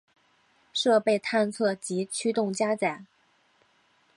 设备探测及驱动加载